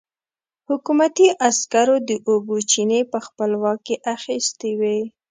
حکومتي عسکرو د اوبو چينې په خپل واک کې اخيستې وې.